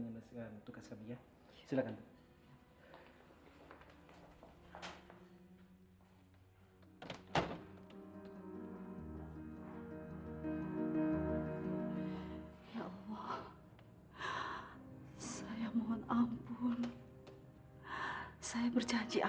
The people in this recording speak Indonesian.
ini gak boleh terjadi